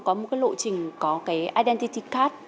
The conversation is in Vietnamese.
có một lộ trình có identity card